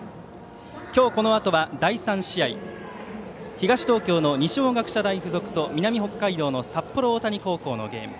今日、このあとは第３試合東東京の二松学舎大付属と南北海道の札幌大谷高校のゲーム。